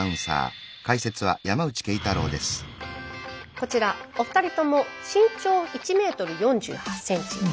こちらお二人とも身長１ｍ４８ｃｍ。